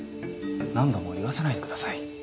何度も言わせないでください。